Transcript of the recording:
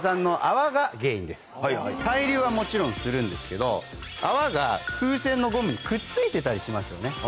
対流はもちろんするんですけど泡が風船のゴムにくっついてたりしますよね。